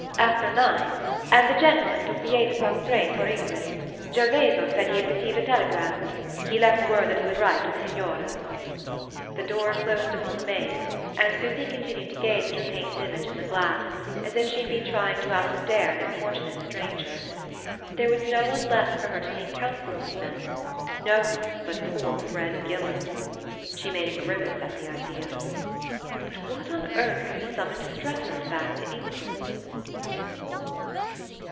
"After nine. And the gentleman took the eight o'clock train for England. Gervaso said he had received a telegram. He left word that he would write to the signora." The door closed upon the maid, and Susy continued to gaze at her painted image in the glass, as if she had been trying to outstare an importunate stranger. There was no one left for her to take counsel of, then no one but poor Fred Gillow! She made a grimace at the idea. But what on earth could have summoned Strefford back to England?